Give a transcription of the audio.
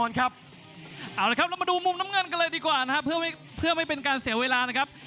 เรามาดูมุมน้ำเงินกันเลยดีกว่าเพื่อไม่เป็นการเสียเวลานะครับ